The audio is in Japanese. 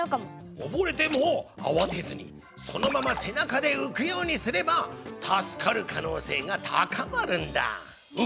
おぼれてもあわてずにそのまま背中で浮くようにすれば助かるかのうせいが高まるんだ！